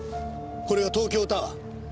これは東京タワー。